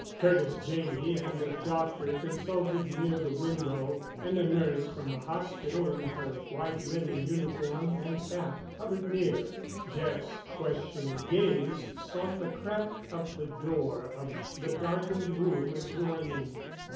Curtis Janney and a doctor consulted near the window, and a nurse from the hospital, in her white linen uniform and cap, hovered near. Jeff's questioning gaze sought the crack of the door of the darkened room adjoining.